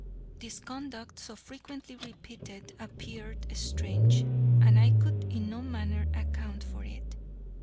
This conduct, so frequently repeated, appeared strange, and I could in no manner account for it.